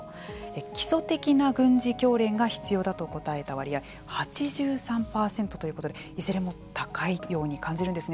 基礎的な軍事教練が必要だと答えた割合８３％ということでいずれも高いように感じるんですね。